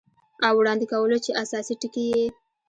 او وړاندې کولو چې اساسي ټکي یې